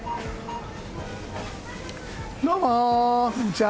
どうも、こんにちは！